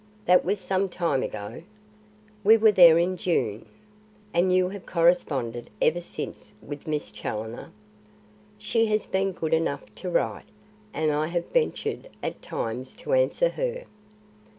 "That was some time ago?" "We were there in June." "And you have corresponded ever since with Miss Challoner?" "She has been good enough to write, and I have ventured at times to answer her."